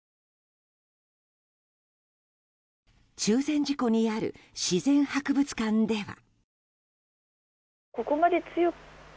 中禅寺湖にある自然博物館では。